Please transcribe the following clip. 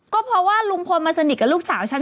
ก็เพราะว่าลุงพลมาสนิทกับลูกสาวฉัน